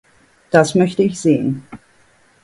Das möchte ich sehen.